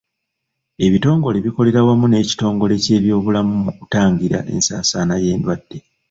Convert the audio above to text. Ebitongole bikolera wamu n'ekitongole ky'ebyobulamu mu kutangira ensaasaana y'endwadde.